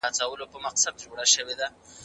هغه وویل چي څېړنه ستونزو ته لاره موندل دي.